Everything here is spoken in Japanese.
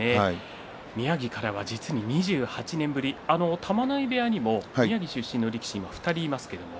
宮城からは実に２８年ぶり玉ノ井部屋にも宮城出身の力士が２人いますね。